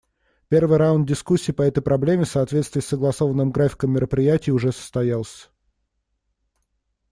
Первый раунд дискуссий по этой проблеме, в соответствии с согласованным графиком мероприятий, уже состоялся.